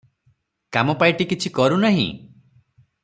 କାମ ପାଇଟି କିଛି କରୁ ନାହିଁ?